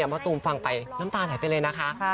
มะตูมฟังไปน้ำตาไหลไปเลยนะคะ